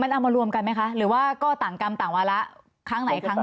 เอามารวมกันไหมคะหรือว่าก็ต่างกรรมต่างวาระครั้งไหนครั้งหนึ่ง